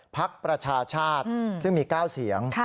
พักประชาชาติซึ่งมี๙เสียง